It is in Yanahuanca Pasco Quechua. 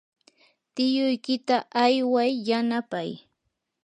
tiyuykita ayway yanapay.